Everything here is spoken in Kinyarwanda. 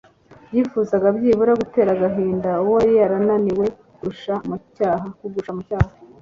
Yifuzaga byibura gutera agahinda uwo yari yarananiwe kugusha mu cyaha.